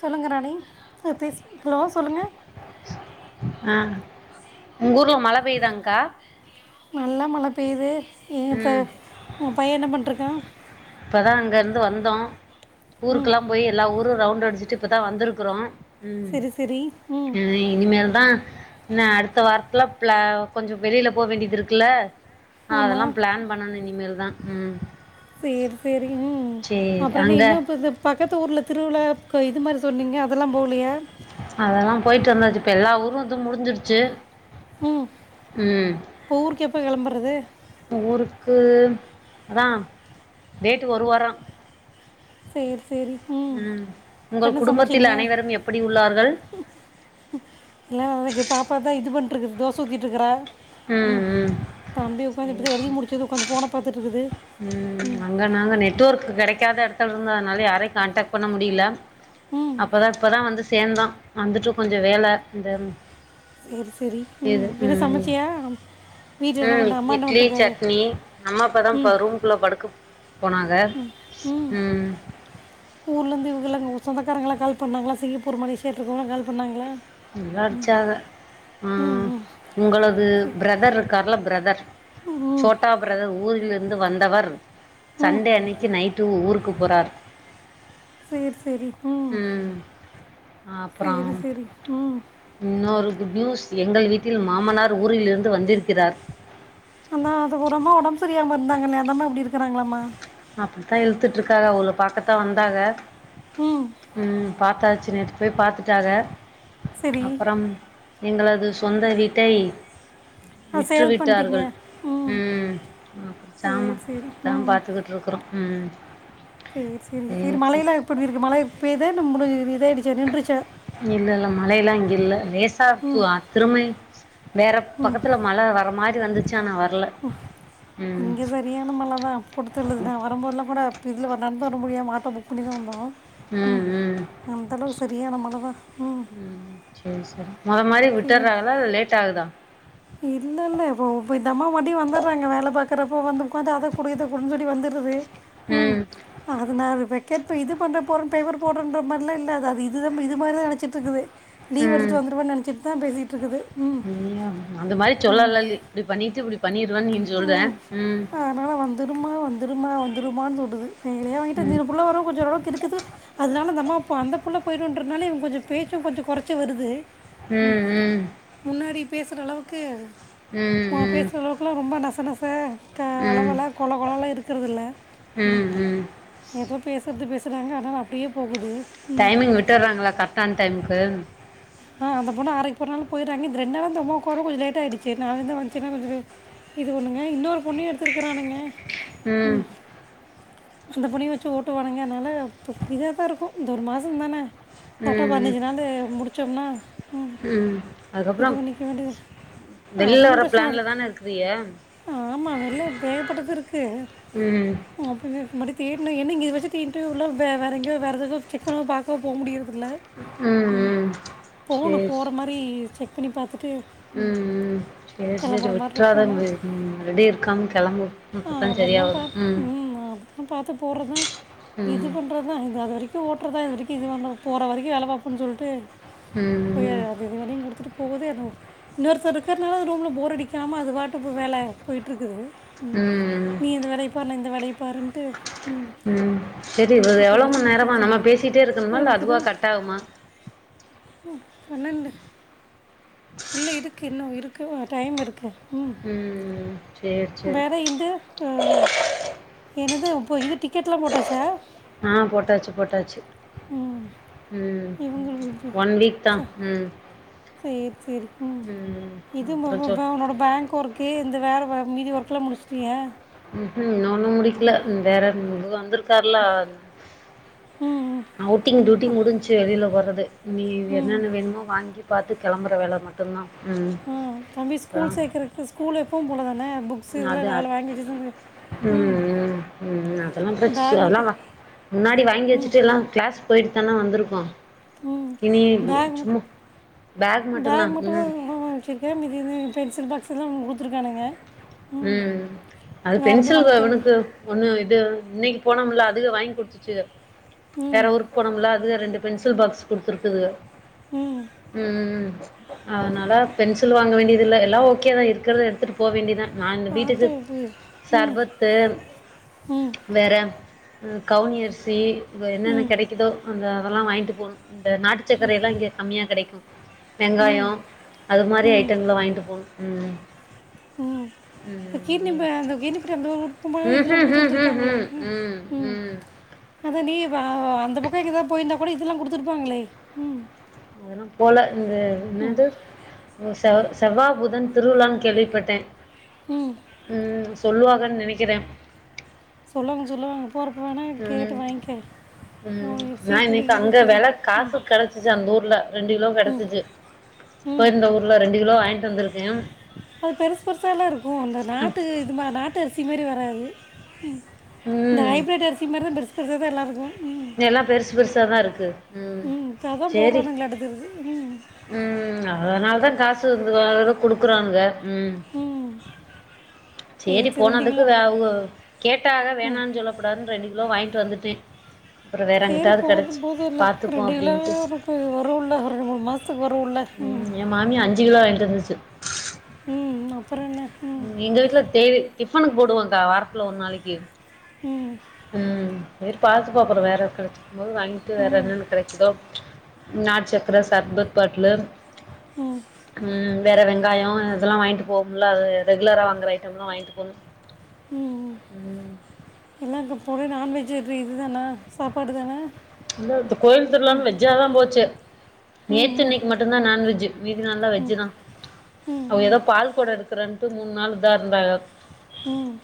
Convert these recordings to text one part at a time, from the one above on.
சொல்லுங்க ராணி ம் பேசு ஹலோ சொல்லுங்க ஆ உங்க ஊர்ல மழை பெயுதாங்க்கா நல்லா மழை பெய்யுது இங்கத்த ம் உங்க பையன் என்ன பண்ட்டு ருக்கா இப்பதா அங்க இருந்து வந்தோ ம் ஊருக்கெல்லா போயி எல்லா ஊரும் ரவுண்ட் அடிச்சுட்டு இப்பதா வந்திருக்கறோ ம் சரி சரி ம் எதை இனிமேல்தா என்ன அடுத்த வாரத்துல பிளா கொஞ்சோ வெளியில போக வேண்டியது இருக்குல்ல அதெல்லா ஆமாம் பிளான் பண்ணனு இனிமேல்தா உம் சேர் சேரிங்க அப்றோ என்ன அங்க என்னா இப்ப பக்கத்து ஊர்ல திருவிழா இது மாறி சொன்னீங்க அதெல்லா போலையா அதெல்லா போயிட்டு வந்தாச்சு இப்ப எல்லா ஊரும் இதும் முடிஞ்சிடிச்சு ம் இப்போ ஊருக்கு எப்ப கிளம்பறது ஊருக்கு அத்தா டேட்டு ஒரு வாரம் சேர் சேரி ம் உங்கள் குடும்பத்தில் அனைவரும் எப்பிடி உள்ளார்கள் எல்லா அவளுக்கு பாப்பாதா இது பண் இருக்கு தோச ஊத்திட்டு இருக்கறா உம் ம் ம் தம்பி உக்காந்து இப்ப இப்பதா எழுதி முடிச்சது உக்காந்து ஃபோன பாத்துட்டு இருக்குது ம் அங்க நாங்க நெட்ஒர்க் கிடைக்காத எடத்துல இருந்ததுனால யாரையு கான்டக்ட் பண்ண முடியல ம் அப்பதா இப்பதா வந்து சேந்தோ வந்துட்டு கொஞ்சோ வேல இந்த சேர் சேரி ம் எதோ சமைச்சியா வீட்டில் அ என்ன பண்ணுற அம்மா என்ன இட்லி பண்ணிருக்காங்க சட்னி அம்மா படோ ம் பருப் ரூம் குள்ள படுக்க போனாங்க ம் ஊர்லந்து இவங்க எல்லா சொந்தக்காரங்கல்லா கால் பண்ணாங்களா சிங்கப்பூர் மலேசியா இருக்கவங்கல்லா கால் பண்ணாங்ளா நல்லா அடிச்சாக ம் உங்களது ஃப்ரதர் இருக்கார்ல்ல ஃப்ரதர் ஒ ஓ முட்டா ஃப்ரதர் ஊரிலிருந்து வந்தவர் ம் சண்டே அன்னைக்கு நைட்டு ஊருக்கு போறார் சேர் சேரி ம் சேரி அப்றோ சேரி ம் இன்னொரு குட் நியூஸ் எங்கள் வீட்டில் மாமனார் ஊரிலிருந்து வந்திருக்கிறார் அந்தா அது ஒரு அம்மா ஒடம்ஸ் சரியாம இருந்தாங்கல்ல அந்த அம்மா அப்டி இருக்குறாங்களம்மா அப்புடித்தா இழுத்துட்டு இருக்காக அவுகள பாக்கத்தா வந்தாக ம் ம் பாத்தாச்சு நேத்து போய் பாத்துட்டாக சரி அப்புறம் எங்களது சொந்த வீட்டை ஆ விற்று சேல் பண்ணிட்டீங்க விட்டார்கள் ம் ஆ அப்புறோ சரி சாமா சரி அதாம் ம் பாத்துக்கிட் இருக்குறோ ம் சேர் சேரி சரி சேரி மழை சரி எல்லா எப்டி இருக்கு மழை பேய்தா இல்ல முடுஞ்சுது இது இதாயிடுச்சா நின்றுச்சா இல்ல இல்ல மழையெல்லா இங்க இல்ல லேசா ம் ம் [unintelligible] திரும்பை வேற பக்கத்துல மழ வரம் மாரி வந்துச்சு ஆனா வர் ம் இங்க சரியான மழ தா போட்டுத்தல்லுது இந்த வாரம்போதெலா கூட இப்போ இதுல வ நடந்து வர முடியும் ஆட்டோ புக் பண்ணி தா வந்தோ ம் அந்தளவு சரியான மழதா ம் சேர் சேரி மொத மாரி விட்டுறாங்களா இல்ல லேட் ஆகுதா இல்ல இல்ல இப்போ இப்போ இந்த அம்மா மறுவுடி வந்துர்றாங்க வேல பாக்குறப்போ வந்து உக்காந்து அத குடு இத குடுஞ் சொல்லி வந்துருது ம் அதுனால இப்ப வெக்கெட்டு இது பண்ற போறோன் பேப்பர் போடுறன்ற மாரி எல்லா இல்ல அது அது இதுதாமா இது மாரிதா நெனச்சுட்டு இருக்குது லீவு ம் எடுத்துட்டு வந்துருவன் நெனச்சுட்டு தா பேசிட்டுருக்குது ம் ம் அந்த மாரி சொல்லலல்லி இப்டி பண்ணிட்டு இப்டி பண்ணிருவன் நீஞ் சொல்ற ம் மழ வந்துருமா வந்துருமா வந்துருமான் சொல்லுது எங்களையா ம் வாங்கிட்டு [unintelligible] புள்ள வரு கொஞ்சோ ஒரு அளவுக்கு இருக்குது அதனால அந்த அம்மா அப்ப அந்த புள்ள போயிடுன்றதுனால இவங்க கொஞ்சோ பேச்சு கொஞ்சோ கொறச்சு வருது ம் முன்னாடி பேசுற அளவுக்கு ம் ஆமா பேசுற அளவுக் குலா ரொம்ப நச நச க ம் வள ம் வள கொல கொலன்லா இருக்குறது இல்ல ம் எதோ பேசுறது பேசுறாங்க ஆனா நா அப்டியே போகுது டைமிங் விட்டர்றாங்களா கரெக்டான டைமுக்கு ஆ அந்த பொண்ணு ஆரைக்கு போறனால போயிறாங்க இந்த ரெண் நாளா அந்த அம்மா கூட கொஞ்சோ லேட் ஆயிடுச்சு நா வந்த வந்துச்சேன்னோ கொஞ்சோ லே இது ஒண்ணுங்க இன்னொரு பொண்ணயு எடுத்துருக்கறானுங்க ம் அந்த பொண்ணியு வெச்சு ஓட்டு வானுங்க அதுனால இப்போ இதாதா இருக்கு இந்த ஒரு மாசந்தான கரெட்டா ம் பண்ணுச்சுனாலே முடுச்சோம்னா ம் இதுவு நிக்க வேண்டிது வெள்ல வர பிளேன்லதான இருக்குறீயே ஆமா வெள்ல தேகப்பட்டது இருக்கு ம் ஓப்பவே இது மாரி தேடுண என்ன இங்க இத வெச்சுட்டு இன்டர்வியூ எல்லா வே வேற எங்கயோ வேற எதுக்கோ செக் பண்ணா பாக்கவு போ முடியிறதில்ல ம் போணும் சேரி போற மாரி செக் பண்ணி பாத்துட்டு ம் ம் சேர் சேரி விட்றாத இருக்கணும் ரெடி இருக்காம கெளம்பு அப்பத்தா செரியா வரு ம் ஆ பாத்து போறதே இது ம் பண்றதுதா இது அது வரைக்கு ஓட்டுறதுதா இது வரைக்கு இது பண்றது போற வரைக்கு வேல பாப்பன் சொல்ட்டு ம் போயி அது அது இது வரையு குடுத்துட்டு போவுது [unintelligible] இன்னொருத்தர் இருக்குறதுனால ரூம்ல போர் அடிக்காம அது வாட்டுக்கு வேல போயிட்ருக்குது ம் நீ இந்த வேலைய பார் நா இந்த வேலைய பாருன்ட்டு ம் சரி இது போயிட்ருக்கு எவ்ளோ எல்லாத்தையு மண் முடுச்சு முடுச் நேரமா நம்ம பேசிட்டே இருக்கணுமா இல்ல அதுவா கட் ஆகுமா ம் பன்னெண்டு இல்ல இருக்கு இன்னு இருக்கு டைம் இருக்கு ம் ம் சேரி சேரி வேற இந்து ஓ என்னது இப்போ இது டிக்கெட்லா போட்டாச்சா ஆ போட்டாச்சு போட்டாச்சு ம் ம் இவுங்க ம் ஒன் வீக் தா ச ம் சேர் சேரி ம் இது மொ அப்றோ ப பா சொல் உன்னோட பேங்க் ஒர்க்கு இந்த வேற வே மீதி ஒர்க்கெலா முடிச்சுட்டியா ம் ம் இன்னு ஒன்னு முடிக்கல வேற இது வந்திருக்காருல்ல ம் அவுட்டிங் டூட்டிங் முடிஞ்ச்சு வெளில போறது இனி ம், ம் என்னென்ன வேணுமோ வாங்கி பாத்து கெளம்பற வேல மட்டுந்தா ம் தம்பி அப்றோ ஸ்கூல் சேக்கறக்கு ஸ்கூல் எப்பம் போலதான புக் அது அ ம் ம் ம் அதெல்லா பிரச் பேக் அதெல்லா மட்டும் வா முன்னாடி வாங்கி வெச்சுட்டு எல்லா க்ளாஸ் போயிட்டு தான வந்துருக்கோ ம் இனி பேக் மட்டும் சும்மா பேக் மட்டுந்தா ம் ஏ மிதீனு பென்சில் பாக்ஸ் எல்லா குடுத்துருக்கானுங்க ம் அது பென்சில் வ தேவையில்ல இவுனுக்கு ஒண்ணு இது இன்னைக் போனமில்ல அதுக வாய்ங் குடுத்துச்சு வேற ம் ஊருக் போனமில்ல அதுக ரெண்டு பென்சில் பாக்ஸ் குடுத்துருக்குதுக ம் ம் அதனால பென்சில் வாங்க வேண்டியதில்ல எல்லா ஓகே தா இருக்கிறத எடுத்துட்டு போ வேண்டி தா நா இந்த வீட்டுக்கு பார்த்து ம் ம் சர்பத்து ம் வேற கவுனி அரிசி வெ என்னென்ன கெடைக்குதோ அந்த அதெல்லா வாய்ன்ட்டு போணு இந்த நாட்டு சக்கர எல்லா இங்க கம்மியா கெடைக்கு வெங்காயோ அது மாரி ம் ஐட்டங்கலா வாய்ன்ட்டு போணு ம் ம் [unintelligible] கீர்னி ம் பழோ அந்த கிர்னி பட்யோ தோ [unintelligible] பழோ ம் இதுல ம் புடுச்சு ம் ம் வெச்சிருப்பாங்கல்ல ம் ம் அதான்டி இப்ப அந்த பக்கோ எங்க தா போயிருந்தா கூட இதெல்லா குடுத்துருப்பாங்ளே ம் அதல்லா போல இந்த என்னது செவ் செவ்வா புதன் திருவுழான் கேள்விப்பட்டே ம் ம் சொல்லுவாகன் நெனைக்கிறே சொல்லு வாங்க சொல்லு வாங்க போறப்ப வேனா கேட்டு ம் வாய்ங்க்கே ம் நா இன்னைக்கி அங்க வெல ம் காசுக் கெடைச்சிச்சு அந்த ஊர்ல ரெண்டு கிலோ கெடச்சிச்சு இப்ப ம் இந்த ஊர்ல ரெண்டு கிலோ வாய்ண்டு வந்திருக்கே அது பெருசு பெருசால்லா இருக்கு இந்த நாட்டு இது மா நாட்டு அரிசி மாரி வராது இந்த ம் ஹைபிரேட் அரிசி மாரி தா பெருசு பெருசா தா எல்லா இருக்கு எல்லா பெருசு பெருசாதா இருக்கு ம் இப்போ அதான் சேரி போடுறானுங்களா அடுத்தது ம் ம் அதனால தா காசு வந்து வானு குடுக்குறாங்க ம் ம் சரி சேரி சரி ரெண்டு போனதுக்கு வே கிலோ அவுக கேட்டாக வேணான் சொல்ல கூடாதுன்னு ரெண்டு கிலோ வாய்ண்டு வந்துட்டே அப்புறோ வேற சேரி எங்கிட்டாவது போது கெடச்சு போதுல்ல பாத்துப்போ ரெண்டு கிலோவே அப்டின்ட்டு உனக்கு வருல்ல ஒரு ரெண்டு மூண் மாசத்துக்கு வருல்ல ம் எ மாமியா அஞ்சு கிலோ வாய்ண்டு வந்துச்சு ம் அப்றோ என்ன ம் எங்க வீட்ல தேவை டிஃபனுக்கு போடுவங்க்கா வாரத்துல ஒரு நாளைக்கி ம் ம் சேரி பாத்துபோ அப்றோ வேற கெடச்சிக்கும் போது வாய்ண்டு வரே வேற என்னென்ன கெடச்சிதோ நாட்டு சக்கர சர்பத் பாட்லு உம் வேற வெங்காயோம் இதெல்லாம் வாங்கிட்டு போகும்ல ரெகுலரா வாங்குற ஐட்டம் எல்லாம் வாங்கிட்டு போணும் உம் இல்ல அங்க போற நான் வெஜ் எது இல்லன்னா சாப்பாடு தான இல்ல கோயில் திருவுழானு வெஜ்ஜாதா போச்சு ம் நேத்து ம், இன்னக்கி மட்டும்தாநான்வெஜ் மீதி நாள்லா வெஜ் தா ம் அவ எதோ பால் கொடம் எடுக்கறன்ட்டு மூணு நாள் இதா இருந்தாக ம்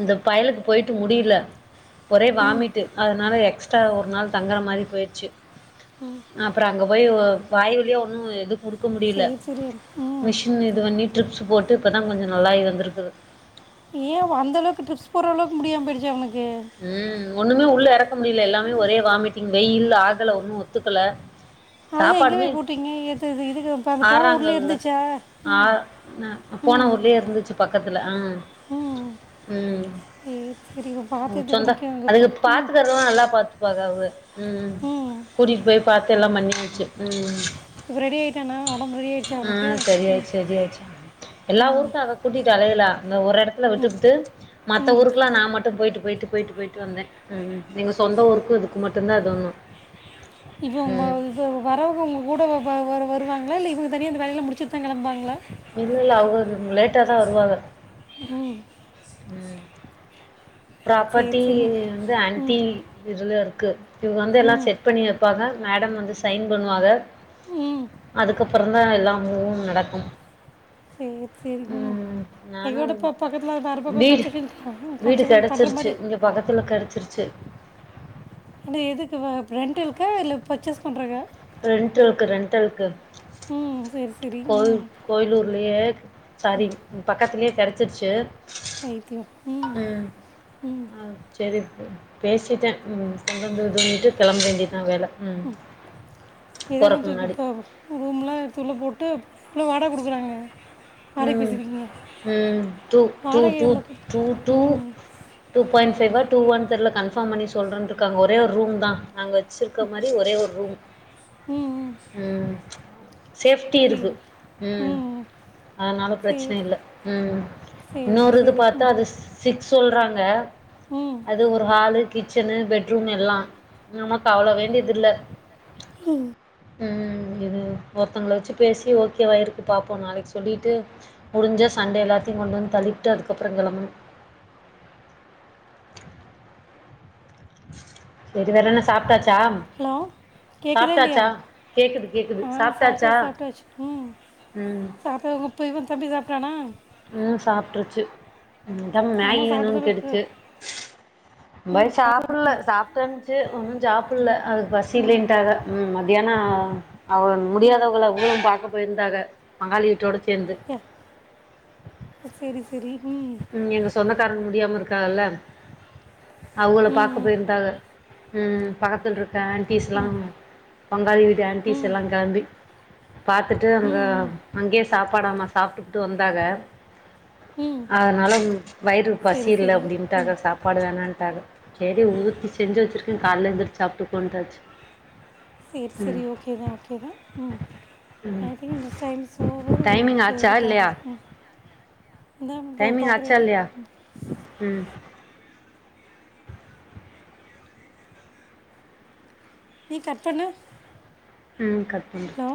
இந்த பயலுக்கு போயிட்டு முடியல ஒரே ம் வாமிட்டு அதுனால எக்ஸ் ட்றா ஒருநாள் தங்குற மாரி போயிருச்சு உம் அ அப்றோ அங்கேன போய் வாய் வலியா ஒன்னு எதுவும் குடுக்க முடியல சரி சரி ம் மிஷின் இது பண்ணி ட்ரிப்ஸ் போட்டு இப்போ ன் கொஞ்சம் நல்லாயி வந்துருக்குது ஏ அந்த அளவுக்கு ட்ரிப்ஸ் போற அளவுக்கு முடியாம போயிடுச்சா அவனுக்கு உம் ஒண்ணுமே உள்ள எறக்க முடியல எல்லாமே ஒரே வாமிட்டிங் வெயில் ஆகல ஒண்ணும் ஒத்துக்கல அதெல்லா எங்க சாப்பாடுமே போய் போட்டீங்க ஏது இதுக்கு அது போன ஊர்லயே ஆறாங்கல்ல இருந்துச்சா உம் ஆ போன ஊர்லயேஇருந்துச்சு பக்கத்துல ஆ உம் சேரி சேரிகா உங்க சொந்தோ அதுக பாத்துக்கிறதுலா நல்லா பாத்து காவ அவுக உம் ம் கூட்டிகிட்டு போய் பாத்து எல்லாம் பண்ணியாச்சு உம்உ இப்போ ரெடி ஆகிட்டானா உடம்பு ரெடி ஆகிடுச்சா ம் அவனுக்கு ஆ ம், சரியாச்சு சரியாச்சு எல்லா ஊருக்கும் அத கூட்டிட்டு அலையல அ ஒரு எடத்துல விட்டுப் புட்டு மத்த ம் ஊருக்குலா நா மட்டும் போயிட்டு போயிட்டு போயிட்டு போயிட்டு வந்தே உம் நீங்க சொந்த ஊருக்கு இதுக்கு மட்டும்தான் அது வும் இப்போ உன்னை வரவுக கூட வரு வருவாங்களா இல்ல இவுங்க தனியா வேலயல்லா அந்த முடிச்சுட்டு தா கெளம்புவாங்களா இல்ல இல்ல அவுக லேட்டா தா வருவாக உம் உம் சரி ப்ராப்பர்ட்டி சரி வந்து ஆன்டி ம் இதுல இருக்கு இவங்க வந்து எல்லாம் ம் செட் பண்ணி இருப்பாங்க மேடம் வந்து சைன் பண்ணுவாங்க ம் அதுக்கப்பக்றோ தா எல்லாம் மூவும் நடக்கும் சேரி சோரிங்க ம், ஐயோட நானும் பக்கத்துல வேற பக்கம் வீடு கன்செஷன் கன்செஷன் பண்ற மாதிரி [inaudible] வகத்தில் கெடச்சிருச்சி ஏனா எதுக்கு ரெண்ட் இருக்கா இல்ல பர்ச்சேஸ் பண்ணுறக்கா ரெண்டுழுக்கு ரெண்டெழுக்கு உம் வேவ் கோயி கோயிலூர்லயே சாரி இங் பக்கத்துலயே கெடச்சிருச்சு தைக் யு உம் உம் சேரி ப்ரோ பேசிட்டே உம் சண்ட போடுஇது பண்ணிட்டு கிளம்ப வேண்டி தா வேலை இதெல்லாம் போறக்கு தூக்கி முன்னாடி இப்போ ரூம்லாம் எடுத்துள்ளே போட்டு [unintelligible] வாடை குடுக்குறாங்க உம் உம் து து வாடகை து எவ்வளோ பே தூ ம் டூ பாயிண்ட் ஃபைவாக டூ வான் தெரில கன்பார்ம் பண்ணி சொல்றேன்ருாங்க ஒரே ஒரு ரூம் தான் நாங்க வச்சுருக்க மாரி ஒரே ஒரு ரூம் ம் ம் உம் சேப்டி சரி இருக்கு உம் ம் அதனால சரி பிரச்சனை இல்லை ஈம் சரி இன்னொரு இது சரி பார்த்தா ம் அது சிக்ஸ் சொல்றாங்க ம் அது ஒரு ஹாலு கி ச்சனு பெட்ரூம் எல்லா நம்மக்கு அவ்ளவு வேண்டியதில்ல ம் ம் இது ஒருத்தவங்களை வச்சு பேசி ஓகேவாயிருக்கு பாப்போ நாளைக்கி சொல்லிட்டு முடிஞ்ச சன்டே எல்லாத்தையு கொண்டு வந்து தள்ளிட்டு அதுக்கப்புற கெளம்பணும் செரி வேற என்ன சாப்பிட்டாச்சா ஹலோ கேக்குத இல்லையா கேக்குது கேக்குது ஆ சாப்பிட்ட சாப்ட்டாச்சா சாப்பிட்டாச்சு ம் ம் சாப் டாங்க புய இவ தம்பி சாப்பிடானா ம் சாப்பிட்டுருச்சு தம் அம்மா மேகி சாப்பிட்டு வேணுனு தான் கேட்டுச்சு போய் போய் சாப்பிடல சாப்பிட்டனுச்சு ஒன்னு சாப்பிடல அதுக்கு ம் பசிகிலீண்ட்டாங்க ம் மத்தியான அவன் முடியாதவங்கள போய் பாக்க போயிருந்தாங்க பாங்காளிட்டோடு சேந்து ஏ செரி செரி ம் ம் எங்க சொந்தக்காரங்க முடியாம இருக்காங்கல்ல அவங்கள பாக்க ம் போயிருந்தாங்க ம் பக்கத்து இருக்க ஆன்ட்டீஸ் எல்லா பங்காளி ம் வீட்டு ம் எல்லா கெளம்பி பாத்துட்டு அங்க ம் ம் அங்கேயே சாப்பாடாம சாப்பிட்டுட்டு வந்தாங்க ம் அதனால் வயிறு சரி பசில்ல சரி ம் அப்படின்ட்டாங்க சாப்பாடு வேணான்ட்டாங்க செரி ஊத்தி செஞ்சு வச்சிருக்கே கால எந்திரச்சு சாப்பிட்டுக்கட்டாச்சு செரி செரி ஓகே தா ஓகே தா ம் ம் I think this time so good timing which ஆச்சா எவரி இல்லையா [unintelligible] ம் இந்த பக்க போய் டைமிங் பாக்கற ஆச்சா இரு இல்லையா ம் நீ கட் பண்ணு ம் கட் பண்றே ஹலோ